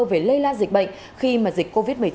về lây lan dịch bệnh khi mà dịch covid một mươi chín